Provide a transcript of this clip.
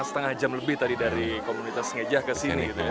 setengah jam lebih dari komunitas sengejah ke sini